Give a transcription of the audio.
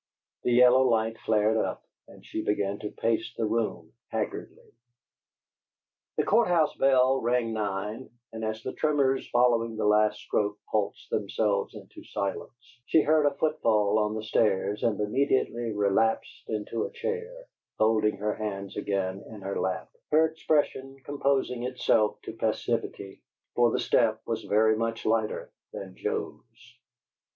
The yellow light flared up; and she began to pace the room haggardly. The court house bell rang nine, and as the tremors following the last stroke pulsed themselves into silence, she heard a footfall on the stairs and immediately relapsed into a chair, folding her hands again in her lap, her expression composing itself to passivity, for the step was very much lighter than Joe's.